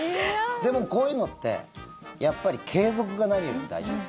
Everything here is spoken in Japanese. でも、こういうのってやっぱり継続が何よりも大事です。